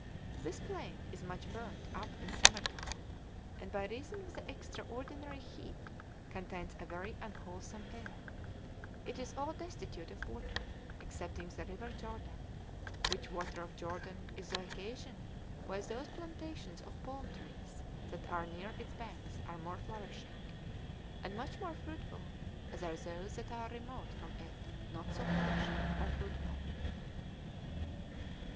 This plain is much burnt up in summer time, and, by reason of the extraordinary heat, contains a very unwholesome air; it is all destitute of water excepting the river Jordan, which water of Jordan is the occasion why those plantations of palm trees that are near its banks are more flourishing, and much more fruitful, as are those that are remote from it not so flourishing, or fruitful.